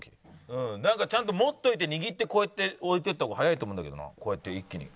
なんかちゃんと持っておいて握ってこうやって置いていった方が速いと思うんだけどなこうやって一気に。